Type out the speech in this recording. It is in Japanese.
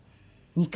２回。